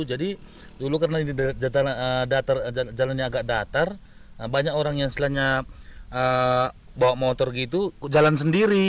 jadi dulu karena ini jalannya agak datar banyak orang yang setelahnya bawa motor gitu jalan sendiri